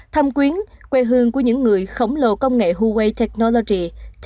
thâm quyến quê hương của những người khổng lồ công nghệ huawei technoloty